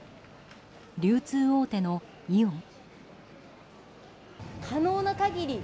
流通大手のイオン。